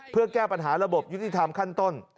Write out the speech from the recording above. เพื่อแก้ปัญหาระบบยุติธรรมขั้นต้น